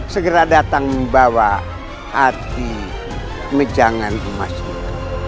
segera datang membawa hati mejangan kemasinan